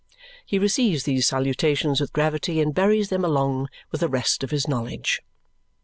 He receives these salutations with gravity and buries them along with the rest of his knowledge.